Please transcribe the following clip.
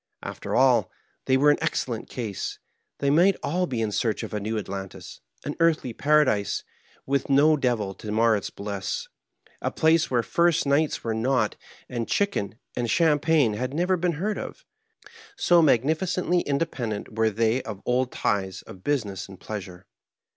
After all, they were in excellent case. They might all he in search of a new Atlantis— an earthly paradise with no (printer's) devil to mar its hliss, a place where first nights were not, and chicken and champagne had never heen heard of— so magnificently independent were they of old ties of husiness and pleasure.